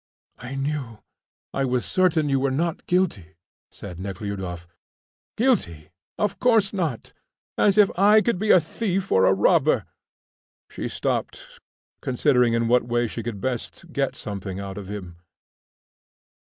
"I knew; I was certain you were not guilty," said Nekhludoff. "Guilty! of course not; as if I could be a thief or a robber." She stopped, considering in what way she could best get something out of him.